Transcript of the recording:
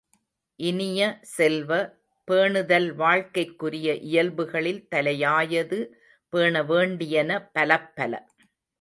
இனிய செல்வ, பேணுதல் வாழ்க்கைக்குரிய இயல்புகளில் தலையாயது பேண வேண்டியன பலப்பல.